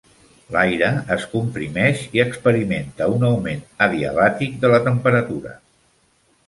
L'aire es comprimeix i experimenta un augment adiabàtic de la temperatura.